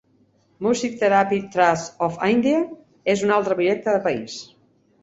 "Music Therapy Trust of India" és un altre projecte del país.